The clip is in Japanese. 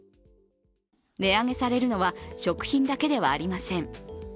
値上げされるのは食品だけではありません。